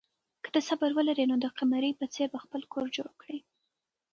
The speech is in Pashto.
که ته صبر ولرې نو د قمرۍ په څېر به خپل کور جوړ کړې.